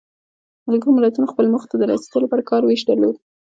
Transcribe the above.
ملګرو ملتونو خپلو موخو ته د رسیدو لپاره کار ویش درلود.